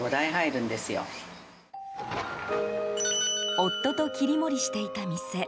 夫と切り盛りしていた店。